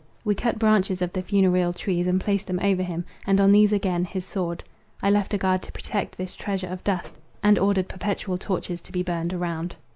We cut branches of the funereal trees and placed them over him, and on these again his sword. I left a guard to protect this treasure of dust; and ordered perpetual torches to be burned around.